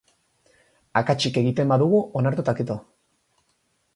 Akatsik egiten badugu, onartu eta kito.